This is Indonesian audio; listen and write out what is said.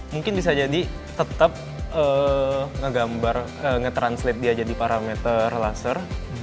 mungkin bisa jadi tetap ngegambar nge translate dia jadi parameter laser